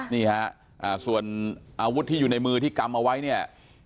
นี่ฮะส่วนอาวุธที่อยู่ในมือที่กำเอาไว้เนี่ย